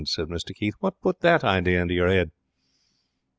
said Mr Keith. 'What put that idea into your head?'